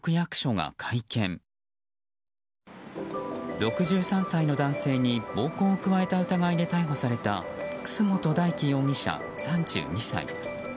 ６３歳の男性に暴行を加えた疑いで逮捕された楠本大樹容疑者、３２歳。